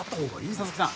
佐々木さん